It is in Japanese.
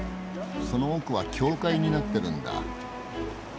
その奥は教会になってるんだ。